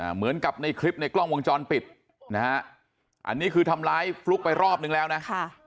เหมือนกับในคลิปในกล้องวงจรปิดนะฮะอันนี้คือทำร้ายฟลุ๊กไปรอบนึงแล้วนะ